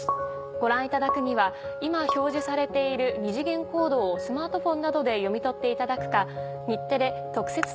ご覧いただくには今表示されている二次元コードをスマートフォンなどで読み取っていただくか。